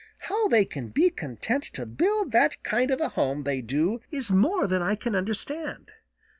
How they can be content to build the kind of a home they do is more than I can understand.